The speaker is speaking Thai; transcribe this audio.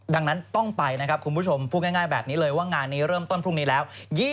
ดังนั้นต้องไปนะครับคุณผู้ชมพูดง่ายแบบนี้เลยว่างานนี้เริ่มต้นพรุ่งนี้แล้ว